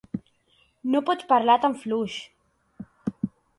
No pots parlar tan fluix.